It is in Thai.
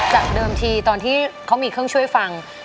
เดิมทีตอนที่เขามีเครื่องช่วยฟัง